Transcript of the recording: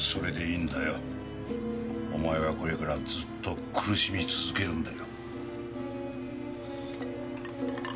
お前はこれからずっと苦しみ続けるんだよ。